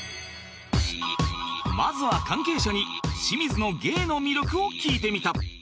まずは関係者に清水の芸の魅力を聞いてみた